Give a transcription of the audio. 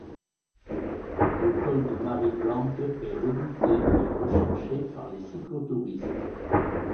Le col de Marie-Blanque est redouté et recherché par les cyclo-touristes.